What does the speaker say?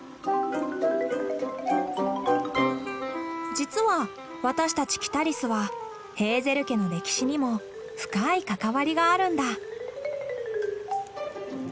実は私たちキタリスはヘーゼル家の歴史にも深い関わりがあるんだ。